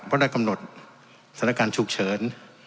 เพราะได้กำหนดสถานการณ์ฉุกเฉิน